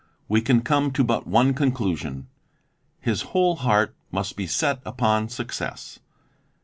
'' we can come to but. one conclusion '"' His whole heart must be set upon success."